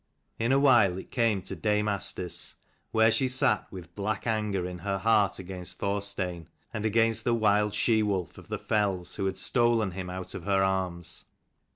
In a while it came to dame Asdis, where she sat with black anger in her heart against Thorstein, and against the wild she wolf of the fells who had stolen him out of her arms.